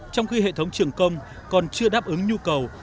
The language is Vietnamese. trong khi hệ thống trường công còn chưa đáp ứng nhu cầu